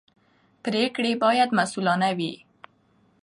پرېکړې باید مسوولانه وي